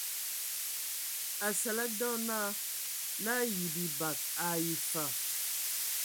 Asǝlǝg dɔ naa la ayi bibag ai fa.